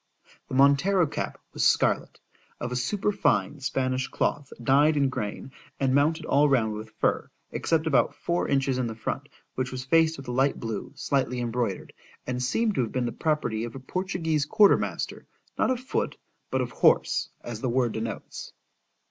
The Montero cap was scarlet, of a superfine Spanish cloth, dyed in grain, and mounted all round with fur, except about four inches in the front, which was faced with a light blue, slightly embroidered,—and seemed to have been the property of a Portuguese quarter master, not of foot, but of horse, as the word denotes.